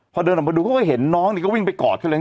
พอเดินออกมาดูเขาก็เห็นน้องนี่ก็วิ่งไปกอดเขาเลย